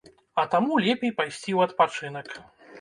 А таму лепей пайсці ў адпачынак.